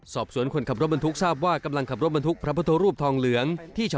คนขับรถบรรทุกทราบว่ากำลังขับรถบรรทุกพระพุทธรูปทองเหลือง